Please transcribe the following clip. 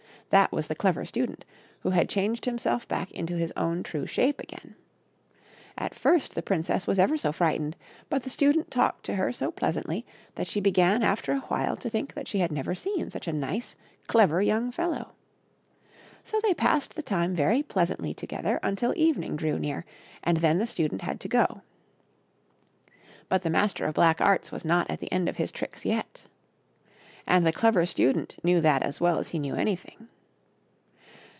That was the Clever Student, who had changed himself back into his own true shape again. At first the princess was ever so frightened, but the Student talked to her so pleasantly that she began after a while to think that she had never seen such a nice, clever young fellow. So they passed the time very pleasantly together until evening drew near, and then the Student had to go. But the Master of Black Arts was not at the end of his tricks yet. And the Clever Student knew that as well as he knew anything.